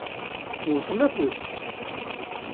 Wwten afus.